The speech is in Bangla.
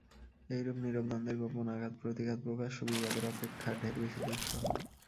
এইরূপ নীরব দ্বন্দ্বের গোপন আঘাতপ্রতিঘাত প্রকাশ্য বিবাদের অপেক্ষা ঢের বেশি দুঃসহ।